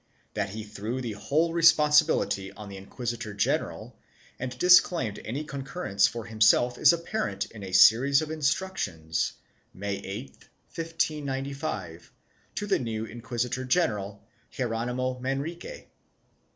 That he threw the whole responsibility on the inquisitor general and disclaimed any concurrence for himself is apparent in a series of instructions, May 8, 1595, to the new inquisitor general, Geronimo Manrique.